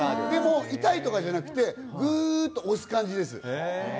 でも痛いとかじゃなくてぐっと押す感じです。